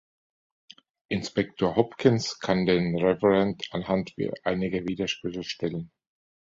Inspektor Hopkins kann den Reverend anhand einiger Widersprüche stellen.